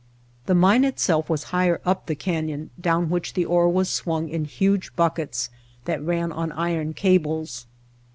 The mine itself was higher up the canyon down which the ore was swung in huge buckets that ran on iron cables.